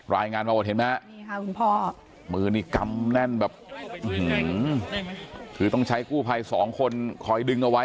รายงานมาว่าเห็นมั้ยครับมือนี่กำแน่นแบบคือต้องใช้กู้ภัยสองคนคอยดึงเอาไว้